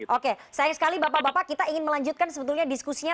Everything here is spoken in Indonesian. oke sayang sekali bapak bapak kita ingin melanjutkan sebetulnya diskusinya